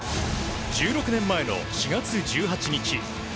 １６年前の４月１８日